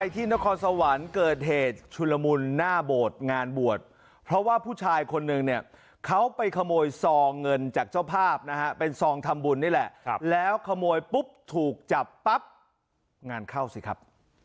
ที่นครสวรรค์เกิดเหตุชุลมุนหน้าโบสถ์งานบวชเพราะว่าผู้ชายคนนึงเนี่ยเขาไปขโมยซองเงินจากเจ้าภาพนะฮะเป็นซองทำบุญนี่แหละแล้วขโมยปุ๊บถูกจับปั๊บงานเข้าสิครับ